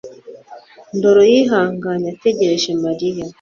ndoro yihanganye ategereje Mariya